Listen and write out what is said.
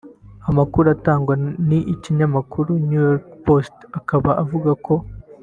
Amakuru atangazwa n’ikinyamakuru New York Post akaba avuga ko